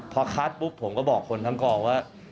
พอคัดปุ๊บผมก็บอกคนทั้งกองว่า